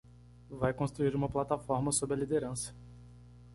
Vai construir uma plataforma sob a liderança